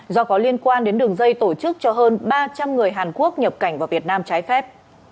do có liên quan đến đường dây tổ chức cho hơn ba trăm linh người hàn quốc nhập cảnh vào việt nam trái phép